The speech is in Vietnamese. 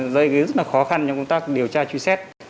đây rất là khó khăn cho công tác điều tra truy xét